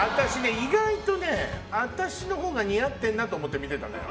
意外と私のほうが似合ってるなと思って見てたの。